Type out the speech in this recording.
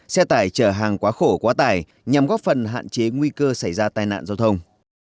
xe tải chở hàng quá khổ quá tải nhằm góp phần hạn chế nguy cơ xảy ra tai nạn giao thông